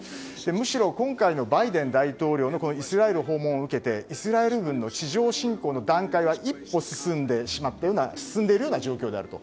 むしろ今回のバイデン大統領のイスラエル訪問を受けてイスラエル軍の地上侵攻の段階は一歩進んでいるような状況であると。